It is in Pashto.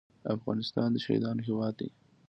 افغانستان د شهیدانو هیواد دی